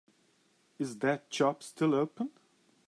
Is that job still open?